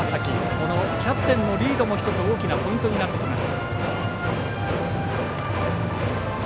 このキャプテンのリードも１つ大きなポイントになってきます。